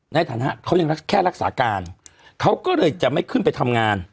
ในฐานะเขายังรักแค่รักษาการเขาก็เลยจะไม่ขึ้นไปทำงาน